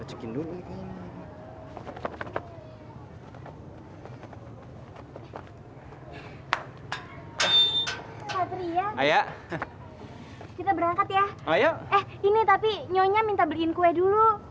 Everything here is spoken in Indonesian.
eh ini tapi nyonya minta beliin kue dulu